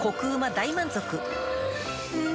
大満足うん！